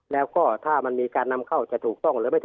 แล้วก็ถ้ามันมีการนำเข้าจะถูกต้อง